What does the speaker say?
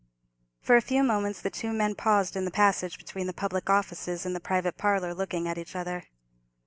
For a few moments the two men paused in the passage between the public offices and the private parlour, looking at each other.